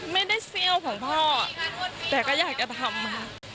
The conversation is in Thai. ไม่ได้เซียวของพ่อแต่ก็อยากจะทำค่ะ